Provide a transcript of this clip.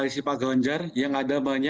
saya duluan ya